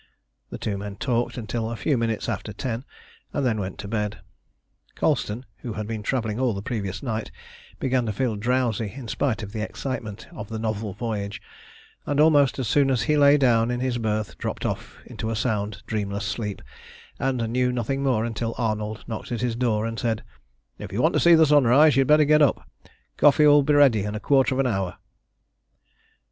The two men talked until a few minutes after ten, and then went to bed. Colston, who had been travelling all the previous night, began to feel drowsy in spite of the excitement of the novel voyage, and almost as soon as he lay down in his berth dropped off into a sound, dreamless sleep, and knew nothing more until Arnold knocked at his door and said "If you want to see the sun rise, you had better get up. Coffee will be ready in a quarter of an hour."